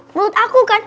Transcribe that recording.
menurut aku kan